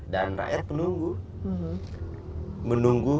dan rakyat menunggu